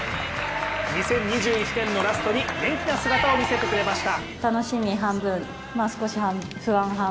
２０２１年のラストに元気な姿を見せてくれました。